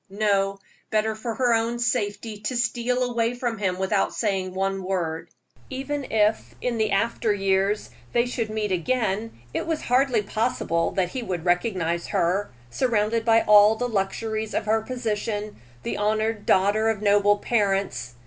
No; better for her own safety to steal away from him without saying one word. Even if, in the after years, they should meet again, it was hardly possible that he would recognize her, surrounded by all the luxuries of her position, the honored daughter of noble parents.